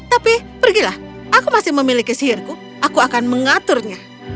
tapi pergilah aku masih memiliki sihirku aku akan mengaturnya